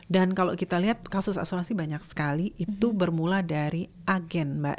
dan kalau kita lihat kasus asuransi banyak sekali itu bermula dari agen mbak